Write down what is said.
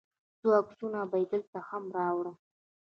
څو عکسونه به یې دلته هم راوړم.